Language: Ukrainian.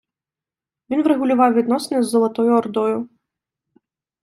Він врегулював відносини з Золотою Ордою.